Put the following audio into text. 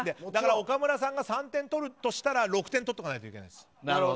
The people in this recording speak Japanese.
岡村さんが３点を取るとしたら６点取っておかないといけないです。